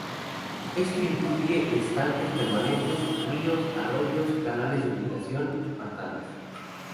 Esto incluye estanques permanentes, ríos, arroyos, canales de irrigación, pantanos.